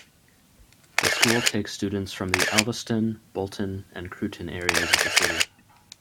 The school takes students from the Alvaston, Boulton and Crewton areas of the city.